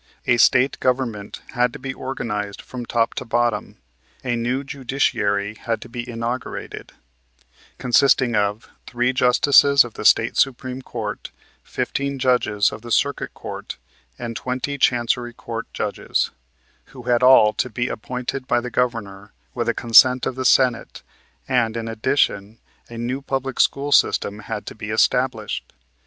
A State Government had to be organized from top to bottom; a new judiciary had to be inaugurated, consisting of three Justices of the State Supreme Court, fifteen Judges of the Circuit Court and twenty Chancery Court Judges, who had all to be appointed by the Governor with the consent of the Senate, and, in addition, a new public school system had to be established.